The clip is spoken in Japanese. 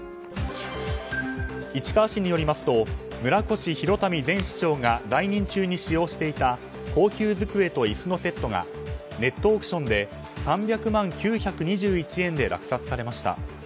市川市によりますと村越祐民前市長が在任中に使用していた高級机と椅子のセットがネットオークションで３００万９２１円で落札されました。